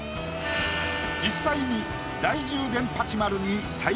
実際に。